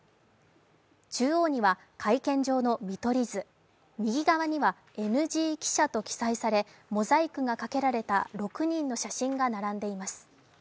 中央には会見場の見取り図、右側にはＮＧ記者と記載され、モザイクがかけられた６人の写真が並んでいます。